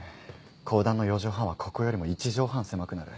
公団の４畳半はここよりも１畳半狭くなる。